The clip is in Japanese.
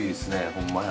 ほんまや。